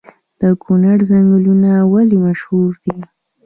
د کونړ ځنګلونه ولې مشهور دي؟